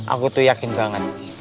aku tuh yakin banget